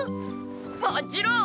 もちろん。